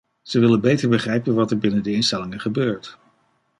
Ze willen beter begrijpen wat er binnen de instellingen gebeurt.